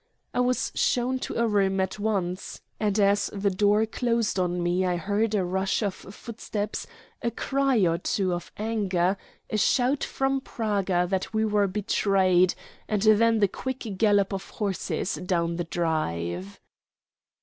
I was shown to a room at once, and as the door closed on me I heard a rush of footsteps, a cry or two of anger, a shout from Praga that we were betrayed, and then the quick gallop of horses down the drive.